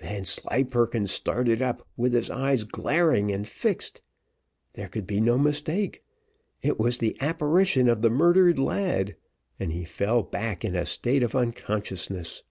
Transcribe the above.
Vanslyperken started up, with his eyes glaring and fixed. There could be no mistake. It was the apparition of the murdered lad, and he fell back in a state of unconsciousness.